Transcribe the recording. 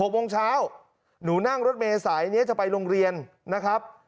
๖โมงเช้าหนูนั่งรถเมษายนี้จะไปโรงเรียนนะครับ